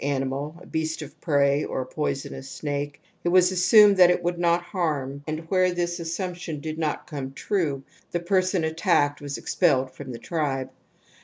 174 TOTEM AND TABCfiO animal (a beast of prey or a poisonous snake), it was assumed that it would not harm, and where this assumption did not come true the person attacked was expelled from the tribe.